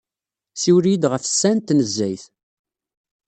Siwel-iyi-d ɣef ssa n tnezzayt.